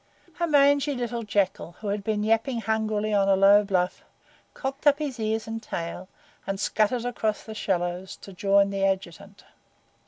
A mangy little Jackal, who had been yapping hungrily on a low bluff, cocked up his ears and tail, and scuttered across the shallows to join the Adjutant.